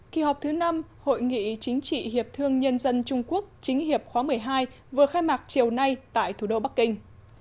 kỳ họp thứ năm hội nghị chính trị hiệp thương nhân dân trung quốc chính hiệp khóa một mươi hai vừa khai mạc chiều nay tại thủ đô bắc kinh